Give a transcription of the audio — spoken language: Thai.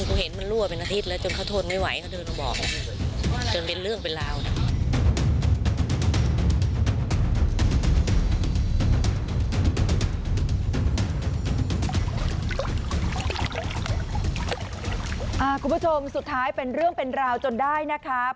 คุณผู้ชมสุดท้ายเป็นเรื่องเป็นราวจนได้นะครับ